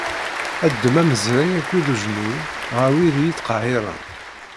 Ddem amezrag akked ujenwi ɣer wid i iyi-ittqehhiren!